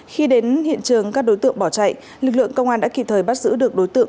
khi đến hiện trường các đối tượng bỏ chạy lực lượng công an đã kịp thời bắt giữ được đối tượng